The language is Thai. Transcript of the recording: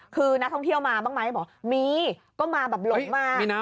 คือนักท่องเที่ยวมาบ้างไหมบอกว่ามี